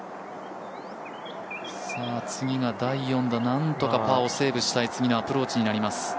次が第４打、何とかパーをセーブしたい次のアプローチになります。